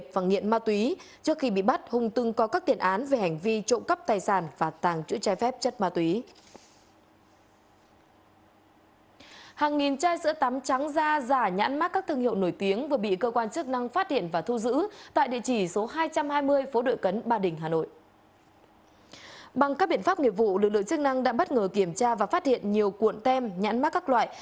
bằng các biện pháp nghiệp vụ lực lượng chức năng đã bất ngờ kiểm tra và phát hiện nhiều cuộn tem nhãn mắt các loại